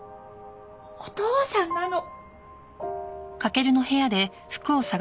お父さんなの！